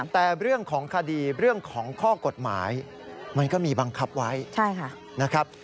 แต่เรื่องของคดีเรื่องของข้อกฎหมายมันก็มีบังคับไว้นะครับ